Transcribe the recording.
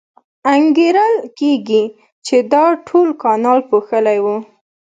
انګېرل کېږي چې دا ټول کانال پوښلی و.